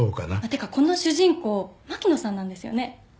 てかこの主人公牧野さんなんですよね？